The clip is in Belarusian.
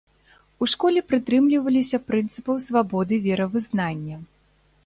У школе прытрымліваліся прынцыпаў свабоды веравызнання.